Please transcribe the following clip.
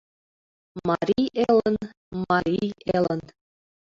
Марий Элын, Марий Элын